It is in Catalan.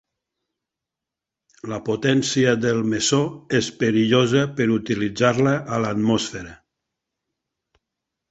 La potència del mesó és perillosa per utilitzar-la a l'atmosfera.